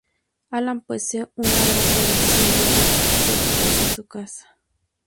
Alan posee una gran colección de aves exóticas en su casa.